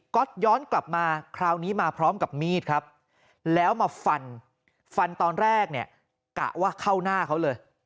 ก็ย้อนกลับมาคราวนี้มาพร้อมกับมีดครับแล้วมาฟันฟันตอนแรกเนี่ยกะว่าเข้าหน้าเขาเลย